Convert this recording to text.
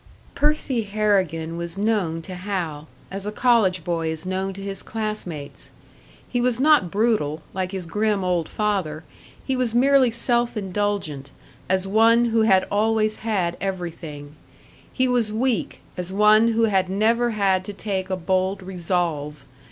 Percy Harrigan was known to Hal, as a college boy is known to his class mates. He was not brutal, like his grim old father; he was merely self indulgent, as one who had always had everything; he was weak, as one who had never had to take a bold resolve.